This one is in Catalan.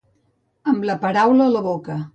Amb la paraula a la boca.